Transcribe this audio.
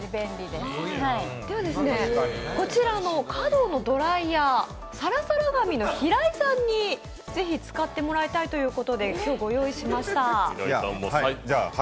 こちらのｃａｄｏのドライヤーサラサラ髪の平井さんにぜひ使っていただきたいということで今日、ご用意しました。